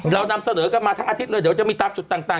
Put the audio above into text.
เรานำเสนอกันมาทั้งอาทิตย์เลยเดี๋ยวจะมีตามจุดต่าง